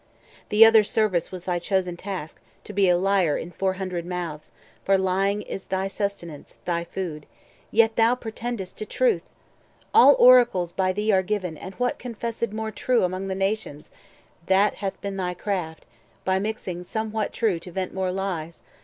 The other service was thy chosen task, To be a liar in four hundred mouths; For lying is thy sustenance, thy food. Yet thou pretend'st to truth! all oracles 430 By thee are given, and what confessed more true Among the nations? That hath been thy craft, By mixing somewhat true to vent more lies.